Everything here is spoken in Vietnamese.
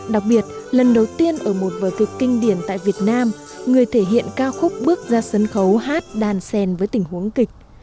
đặc biệt lần đầu tiên ở một vở kịch kinh điển tại việt nam người thể hiện ca khúc bước ra sân khấu hát đàn sen với tình huống kịch